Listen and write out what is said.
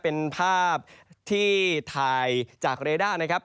เป็นภาพที่ถ่ายจากเรด้านะครับ